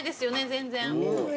全然。